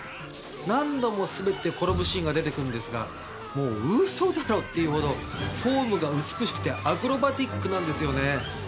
何度も滑って転ぶシーンが出て来るんですがもうウソだろ？っていうほどフォームが美しくてアクロバティックなんですよね。